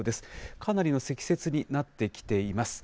かなりの積雪になってきています。